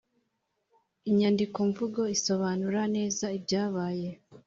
Inyandikomvugo isobanura neza ibyabaye